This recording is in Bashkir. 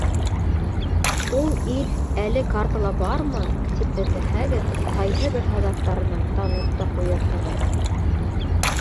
Ул ил әле картала бармы, тип эҙләһәгеҙ, ҡайһы бер һыҙаттарынан танып та ҡуйырһығыҙ...